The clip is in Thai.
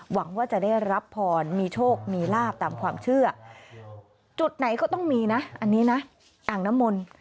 หวังว่าจะได้รับพรมีโชคมีลาบตามความเชื่อจุดไหนก็ต้องมีนะอันนี้นะอ่างน้ำมนต์